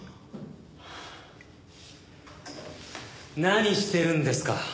何してるんですか？